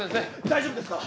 大丈夫ですか！？